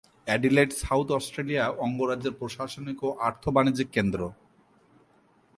Adelaide South Australia অঙ্গরাজ্যের প্রশাসনিক ও আর্থ-বাণিজ্যিক কেন্দ্র।